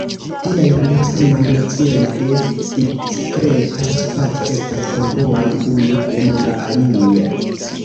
Tial, la malsamaj nocioj de diskreta spaco estas kongruaj unu kun la alia.